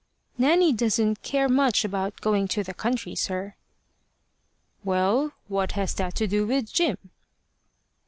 "Nanny doesn't care much about going to the country, sir." "Well, what has that to do with Jim?"